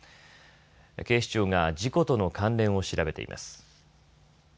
警視庁が事故との関連を調べています。